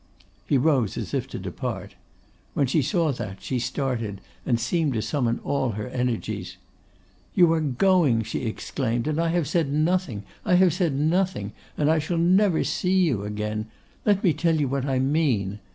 He rose as if to depart. When she saw that, she started, and seemed to summon all her energies. 'You are going,' she exclaimed, 'and I have said nothing, I have said nothing; and I shall never see you again. Let me tell you what I mean.